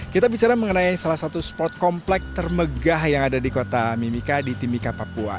kita bicara mengenai salah satu spot komplek termegah yang ada di kota mimika di timika papua